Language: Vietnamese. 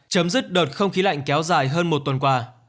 chấm dứt đợt không khí lạnh kéo dài hơn một tuần qua